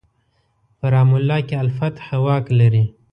په رام الله کې الفتح واک لري.